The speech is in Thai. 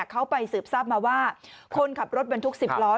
เขาไปสืบทราบมาว่าคนขับรถบรรทุก๑๐ล้อ